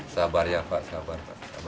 sabar ya pak sabar